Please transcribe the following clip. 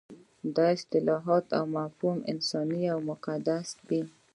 دا اصطلاحات او مفاهیم انساني او مقدس دي.